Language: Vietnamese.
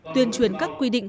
tuyên truyền các quy định